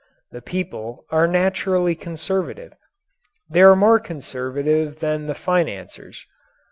The people are naturally conservative. They are more conservative than the financiers.